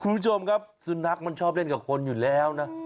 คุณผู้ชมครับสุนัขมันชอบเล่นกับคนอยู่แล้วนะ